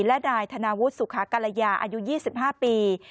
และนายธนาวุฒิสุขากรยาอายุ๒๕ปี